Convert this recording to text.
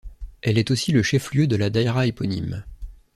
Elle est aussi le chef-lieu de la Daïra éponyme.